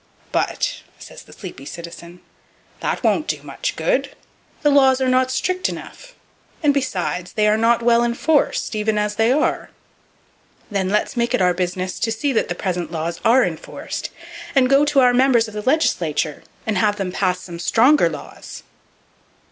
"But," says the sleepy citizen, "That won't do much good. The laws are not strict enough; and besides, they are not well enforced, even as they are!" "Then let's make it our business to see that the present laws are enforced, and go to our members of the legislature, and have them pass some stronger laws."